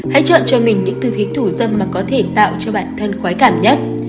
hãy chọn cho mình những từ thí thủ dâm mà có thể tạo cho bản thân khoái cảm nhất